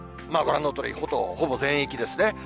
ご覧のとおり、ほぼ全域ですね。